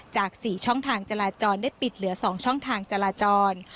จาก๔ช่องทางจราจรได้ปิดเหลือ๒ช่องทางจราจร